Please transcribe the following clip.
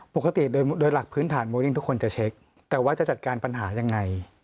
ปกติโดยหลักพื้นฐานโมลิ่งทุกคนจะเช็คแต่ว่าจะจัดการปัญหายังไง